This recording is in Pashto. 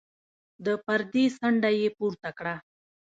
د پردې څنډه يې پورته کړه.